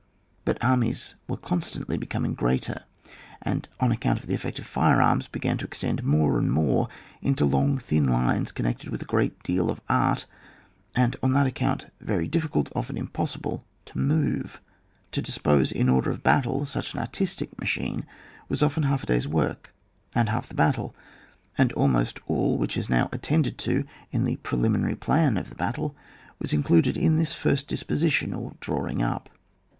But armies were constantly becoming greater, and on account of the effect of fire arms began to extend more and more into long &in lines connected with a great deal of art, and on that account very difficult, often almost impossible, to move. To dispose, in order of battle, such an artistic machine, was often half a day's work, and half the battle ; and almost all which is now attended to in the preliminary plan of the battle was included in this first dis position or drawing up.